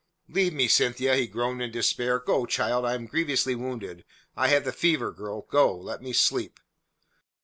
"Leave me, Cynthia," he groaned in despair. "Go, child. I am grievously wounded. I have the fever, girl. Go; let me sleep."